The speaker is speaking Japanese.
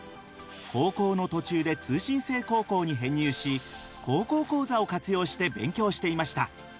高校の途中で通信制高校に編入し高校講座を活用して勉強していました。